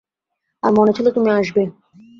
আমার মনে ছিল তুমি আসবে।